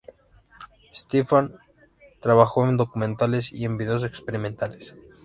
Stephan trabajó en documentales y en vídeos experimentales.